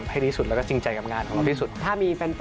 คุณผู้ชมไม่เจนเลยค่ะถ้าลูกคุณออกมาได้มั้ยคะ